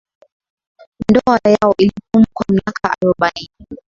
ndoa yao ilidumu kwa miaka arobaini